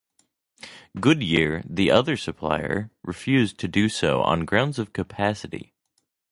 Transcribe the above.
Goodyear, the other supplier, refused to do so on grounds of capacity.